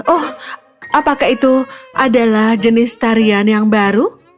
oh apakah itu adalah jenis tarian yang baru